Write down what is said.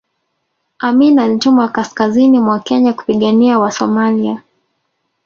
amin alitumwa kaskazini mwa kenya kupigania wasomalia